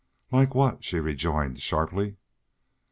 "Like what?" she rejoined, sharply.